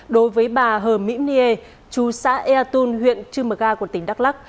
đối với bà hờ mỹ niê chú xã ea tôn huyện trư mờ ga của tỉnh đắk lắc